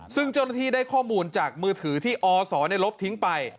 ซึ่งเจ้าหน้าที่ได้ข้อมูลจากมือถือที่อศลบทิ้งไป